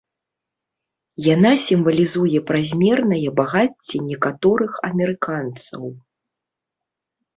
Яна сімвалізуе празмернае багацце некаторых амерыканцаў.